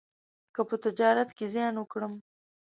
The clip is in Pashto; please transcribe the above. که په تجارت کې زیان وکړم،